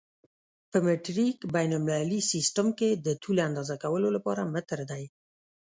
په مټریک بین المللي سیسټم کې د طول اندازه کولو لپاره متر دی.